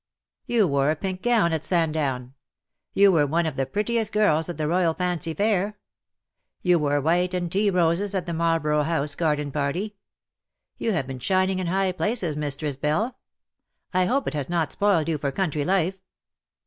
You 54 wore a pink gown at Sandown. You were one of the prettiest girls at the Eoyal Fancy Fair. You wore white and tea roses at the Marlborough House garden party. You have been shining in high places,, Mistress Belle. I hope it has not spoiled you for a country life."